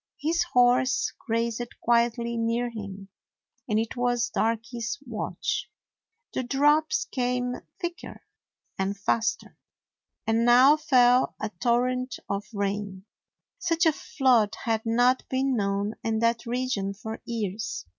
His horse grazed quietly near him, and it was Darky's watch. The drops came thicker and faster, and now fell a torrent of rain. Such a flood had not been known in that region for years.